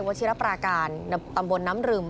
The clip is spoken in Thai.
โวชิระปราการัมพรรณน้ำรึม